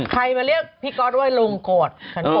ใครมาเรียกพี่ก๊อตว่าลุงโกรธ